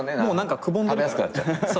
もう何かくぼんでるから。